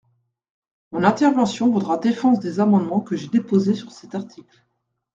Mon intervention vaudra défense des amendements que j’ai déposés sur cet article.